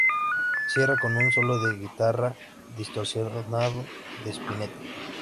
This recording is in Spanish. Cierra con un solo de guitarra distorsionado de Spinetta.